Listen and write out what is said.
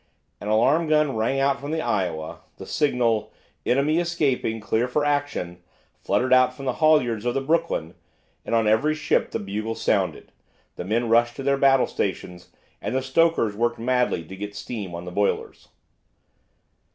An alarm gun rang out from the "Iowa," the signal, "Enemy escaping clear for action," fluttered out from the halyards of the "Brooklyn," and on every ship the bugles sounded, the men rushed to their battle stations, and the stokers worked madly to get steam on the boilers.